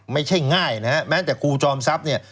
ไม่ใช่ง่ายแม้แต่กูจอมทรัพย์